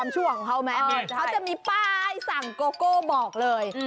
ผมนี้จะมีป้ายสั่งโกโก้บอกเลย